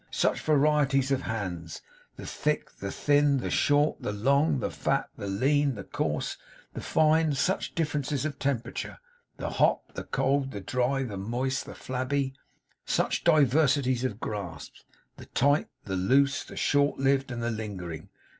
Such varieties of hands, the thick, the thin, the short, the long, the fat, the lean, the coarse, the fine; such differences of temperature, the hot, the cold, the dry, the moist, the flabby; such diversities of grasp, the tight, the loose, the short lived, and the lingering!